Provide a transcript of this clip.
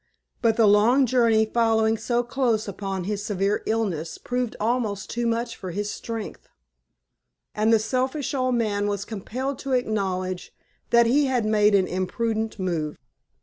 But the long journey following so close upon his severe illness proved almost too much for his strength, and the selfish old man was compelled to acknowledge that he had made an imprudent move.